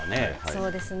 そうですね。